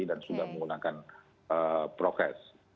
dan sudah menggunakan progres